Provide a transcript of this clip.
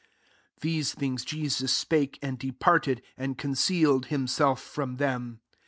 These things Jesus spake, and departed, and con cealed himself from "them.